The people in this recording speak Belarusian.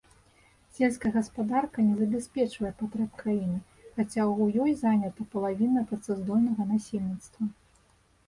Сельская гаспадарка не забяспечвае патрэб краіны, хоць у ёй занята палавіна працаздольнага насельніцтва.